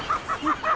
ハハハ！